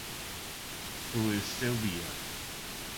Who Is Sylvia?